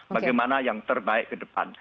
bagaimana yang terbaik ke depan